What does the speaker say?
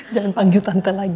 jangan dipanggil tantan sepanjang